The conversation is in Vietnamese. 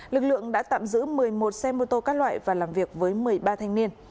lực lượng đã tạm giữ một mươi một xe mô tô các loại và làm việc với một mươi ba thanh niên